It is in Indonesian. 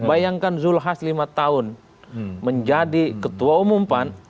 bayangkan zulkifli hasan lima tahun menjadi ketua umum pan